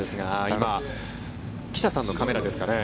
今、記者さんのカメラですかね。